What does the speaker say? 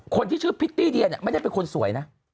คนที่ชื่อพริตตี้เดียเนี่ยไม่ได้เป็นคนสวยนะ